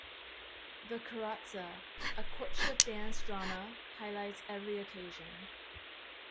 The "kuratsa" - a courtship dance-drama - highlights every occasion.